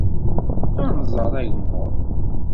Ad nẓer agmuḍ.